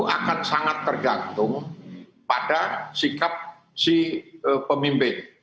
akan sangat tergantung pada sikap si pemimpin